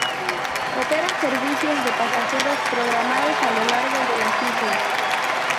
Opera servicios de pasajeros programados a lo largo de las islas.